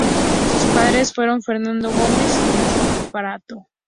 Sus padres fueron Fernando Gómez y Tránsito Prato.